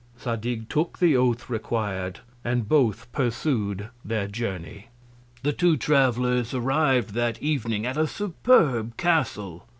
Zadig took the Oath requir'd, and both pursu'd their Journey. The two Travellers arriv'd that Evening at a superb Castle.